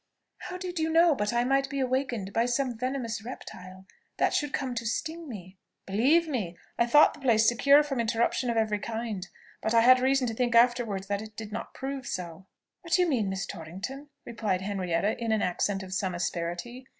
How did you know but I might be awakened by some venomous reptile that should come to sting me?" "Believe me, I thought the place secure from interruption of every kind. But I had reason to think afterwards that it did not prove so." "What do you mean, Miss Torrington?" replied Henrietta, in an accent of some asperity.